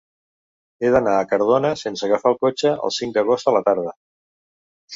He d'anar a Cardona sense agafar el cotxe el cinc d'agost a la tarda.